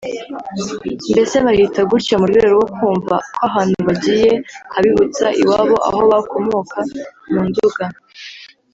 mbese bahita gutyo mu rwego rwo kumva ko ahantu bagiye habibutsa iwabo aho bakomoka mu Nduga